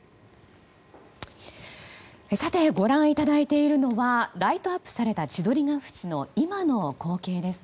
ご覧いただいているのはライトアップされた千鳥ケ淵の今の光景です。